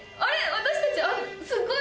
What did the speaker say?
私たちすっごい